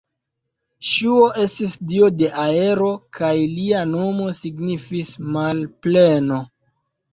Ŝuo estis dio de aero kaj lia nomo signifis "malpleno".